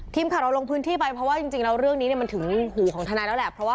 ทีมขัดรอลงพื้นที่ไปเพราะว่าจริงแล้วเรื่องนี้มันถึงหูของทันายแล้วแหละ